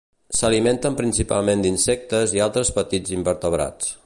S'alimenten principalment d'insectes i altres petits invertebrats.